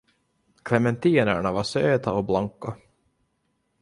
Clementinerna var söta och blanka.